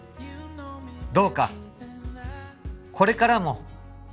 どうかこれからも